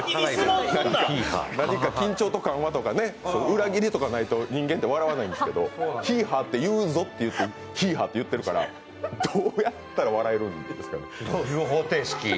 何か緊張と緩和とか裏切りとかないと人間って笑わないんですけど、ヒーハーって言うぞって言ってヒーハーって言ってるからどうやったら笑えるんですか？